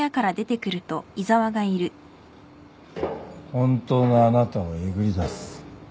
本当のあなたをえぐりだす。